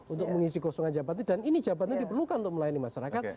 untuk mengisi kosongan jabatan dan ini jabatan diperlukan untuk melayani masyarakat